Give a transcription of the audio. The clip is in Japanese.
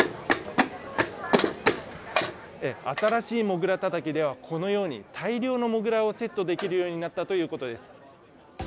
新しいもぐらたたきでは、このようにこのように大量のもぐらをセットできるようになったということです。